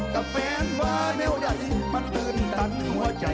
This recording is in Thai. กับแฟนว่าไม่เอาใจมันอื่นตันหัวใจ